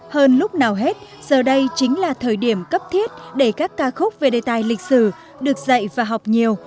hơn lúc nào hết giờ đây chính là thời điểm cấp thiết để các ca khúc về đề tài lịch sử được dạy và học nhiều